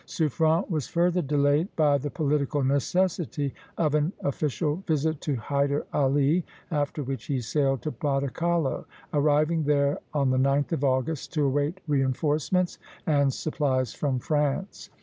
Suffren was further delayed by the political necessity of an official visit to Hyder Ali, after which he sailed to Batacalo, arriving there on the 9th of August, to await reinforcements and supplies from France.